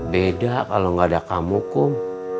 beda kalau enggak ada kamu kum